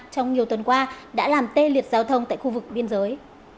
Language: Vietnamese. trong nhiều tuần qua đã làm tê liệt giao thông tại khu vực biên giới